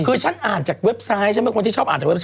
คือฉันอ่าจากเว็บไซต์คนที่ชอบอ่าจากเว็บไซต์